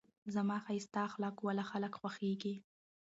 زما ښایسته اخلاقو واله خلک خوښېږي.